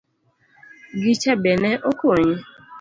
Gicha be ne okonyi?